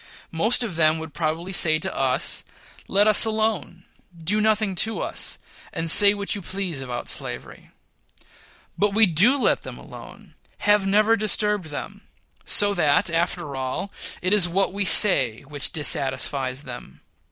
Most of them would probably say to us, "Let us alone, do nothing to us, and say what you please about slavery." But we do let them alone have never disturbed them so that after all it is what we say which dissatisfies them.